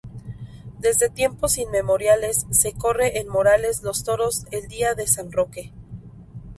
Desde tiempos inmemoriales se corre en Morales los toros el día de San Roque.